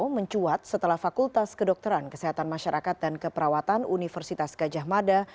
mencuat setelah fakultas kedokteran kesehatan masyarakat dan keperawatan universitas gajah mada